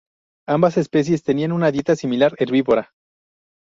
Ambas especies tenían una dieta similar, herbívora.